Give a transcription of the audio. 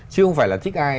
chứ không phải là thích ai